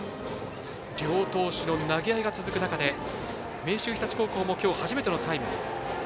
両投手の投げ合いが続く中で明秀日立高校もきょう初めてのタイム。